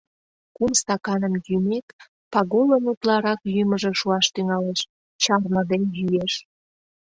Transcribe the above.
Кум стаканым йӱмек, Пагулын утларак йӱмыжӧ шуаш тӱҥалеш; чарныде йӱэш.